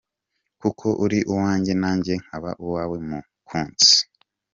kuko uri uwanjye nanjye nkaba uwawe mukunzi.